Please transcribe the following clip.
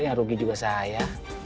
yang rugi juga saya